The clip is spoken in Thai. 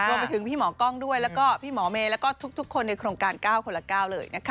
รวมไปถึงพี่หมอกล้องด้วยแล้วก็พี่หมอเมย์แล้วก็ทุกคนในโครงการ๙คนละ๙เลยนะคะ